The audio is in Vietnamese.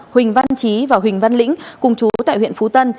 huỳnh văn trí và huỳnh văn lĩnh cùng chú tại huyện phú tân